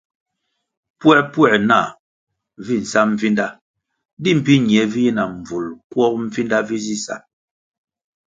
Puēpuē nah vi nsa mbvinda di mbpi nie vi yi na mbvul kwog Mbvinda vi zi sa ?